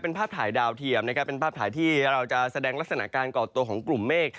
เป็นภาพถ่ายดาวเทียมนะครับเป็นภาพถ่ายที่เราจะแสดงลักษณะการก่อตัวของกลุ่มเมฆ